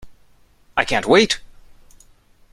I can't wait!